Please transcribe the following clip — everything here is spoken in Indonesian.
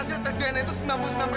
sampai jumpa fadil